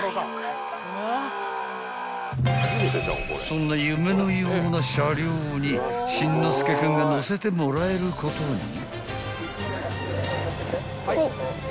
［そんな夢のような車両に心之介君が乗せてもらえることに］